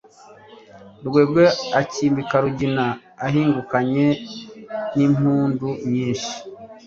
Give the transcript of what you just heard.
Rugogwe akimika Rugina ahingukanye n'impundu nyinshi